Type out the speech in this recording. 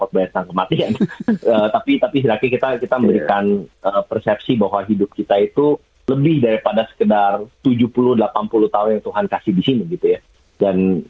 banyak tapi hilaki kita memberikan persepsi bahwa hidup kita itu lebih daripada sekedar tujuh puluh delapan puluh tahun yang tuhan kasih di sini gitu ya